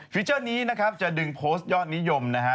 เจอร์นี้นะครับจะดึงโพสต์ยอดนิยมนะฮะ